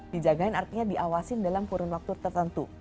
dijagain artinya diawasin dalam kurun waktu tertentu